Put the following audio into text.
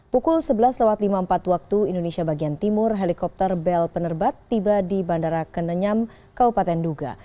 pukul sebelas lima puluh empat waktu indonesia bagian timur helikopter bel penerbat tiba di bandara kenenyam kabupaten duga